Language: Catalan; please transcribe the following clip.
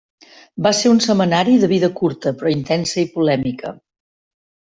Va ser un setmanari de vida curta però intensa i polèmica.